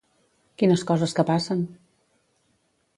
Quines coses que passen!